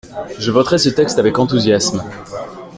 Je voterai ce texte avec enthousiasme.